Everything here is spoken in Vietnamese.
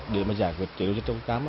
để giải quyết chế độ chất độc ca